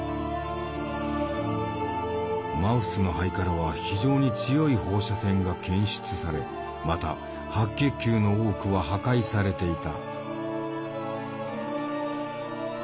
マウスの肺からは非常に強い放射線が検出されまた白血球の多くは破壊されていた。